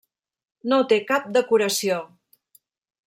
No té cap decoració.